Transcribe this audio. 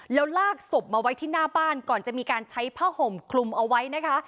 แล้วลากศพมาไว้ที่หน้าบ้านก่อนจะมีการใช้ผ้าห่มคลุมเอาไว้นะคะ